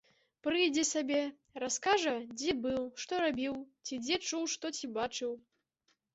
Прыйдзе сабе, раскажа, дзе быў, што рабіў ці дзе чуў што ці бачыў.